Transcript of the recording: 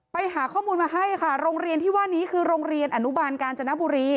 ไปหาข้อมูลมาให้ค่ะโรงเรียนที่ว่านี้คือโรงเรียนอนุบาลกาญจนบุรี